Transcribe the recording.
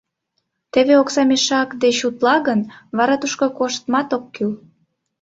Теве окса мешак деч утла гын, вара тушко коштмат ок кӱл.